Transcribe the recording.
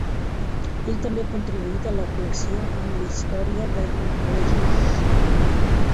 Ell també ha contribuït a la col·lecció amb la història de "NippleJesus".